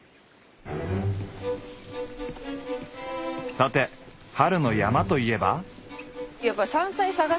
さて春の山といえば。